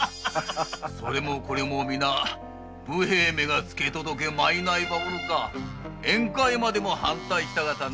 それもこれもみな武兵衛めが付け届け賂はおろか宴会までも反対したがため。